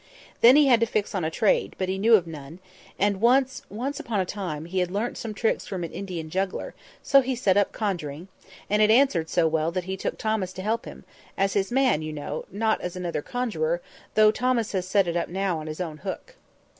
Then he had to fix on a trade; but he knew of none; and once, once upon a time, he had learnt some tricks from an Indian juggler; so he set up conjuring, and it answered so well that he took Thomas to help him—as his man, you know, not as another conjuror, though Thomas has set it up now on his own hook.